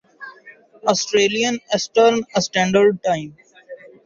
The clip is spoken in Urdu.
Australian eastern standard time